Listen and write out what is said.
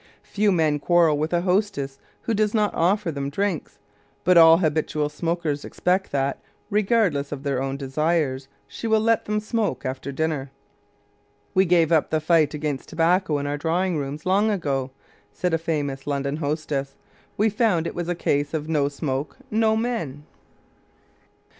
Few men quarrel with a hostess who does not offer them drinks, but all habitual smokers expect that, regardless of her own desires, she will let them smoke after dinner. "We gave up the fight against tobacco in our drawing rooms long ago," said a famous London hostess. "We found it was a case of no smoke, no men."